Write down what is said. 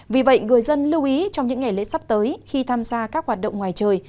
vì vậy người dân lưu ý trong những ngày lễ sắp tới khi tham gia các hoạt động ngoài trời